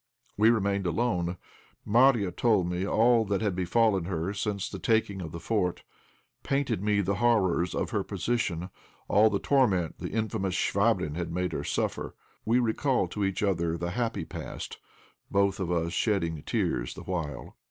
We remained alone. Marya told me all that had befallen her since the taking of the fort; painted me the horrors of her position, all the torment the infamous Chvabrine had made her suffer. We recalled to each other the happy past, both of us shedding tears the while.